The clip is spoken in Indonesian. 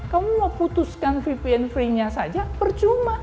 kamu mau putuskan vpn freenya saja percuma